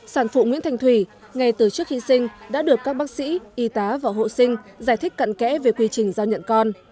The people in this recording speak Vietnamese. sản phụ nguyễn thành thủy ngay từ trước khi sinh đã được các bác sĩ y tá và hộ sinh giải thích cận kẽ về quy trình giao nhận con